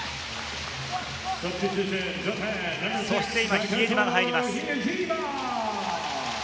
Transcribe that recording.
そして今、比江島が入ります。